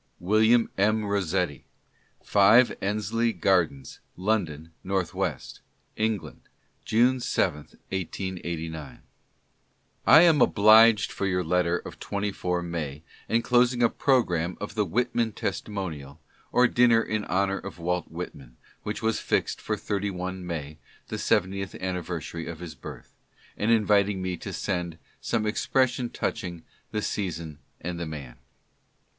William M. Rossetti : 5 Endsleigh Gardens, London, N. W., England, June 7, 1889. I am obliged for your letter of 24 May, enclosing a pro gramme of the "Whitman Testimonial," or dinner in honor of Walt Whitman, which was fixed for 31 May, the seventieth anniversary of his birth ; and inviting me to send " some expres sion touching the season and the man."